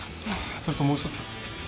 それともう一つ。